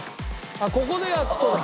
あっここでやっとだ。